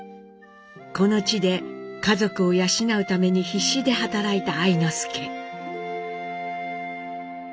この地で家族を養うために必死で働いた愛之助。